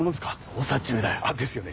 捜査中だよ。ですよね。